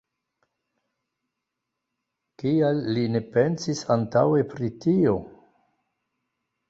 Kial li ne pensis antaŭe pri tio?